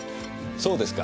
そうですか。